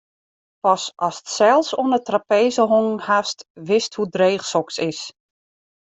Pas ast sels oan 'e trapeze hongen hast, witst hoe dreech soks is.